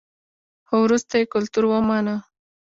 خو وروسته یې کلتور ومانه